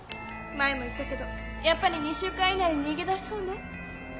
前も言ったけどやっぱり２週間以内に逃げ出しそうね。